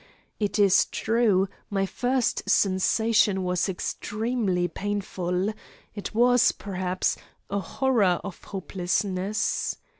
It is true, my first sensation was extremely painful; it was, perhaps, a horror of hopelessness.